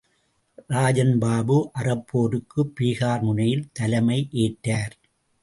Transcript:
இராஜன் பாபு அறப்போருக்கு பீகார் முனையில் தலைமை ஏற்றார்.